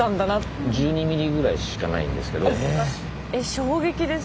衝撃です。